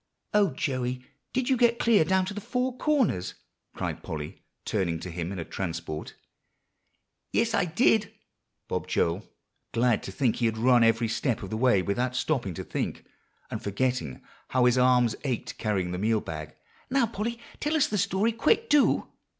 "O Joey! did you get clear down to the Four Corners?" cried Polly, turning to him in a transport. "Yes, I did," bobbed Joel, glad to think he had run every step of the way without stopping to think, and forgetting how his arms ached carrying the meal bag. "Now, Polly, tell us the story quick, do."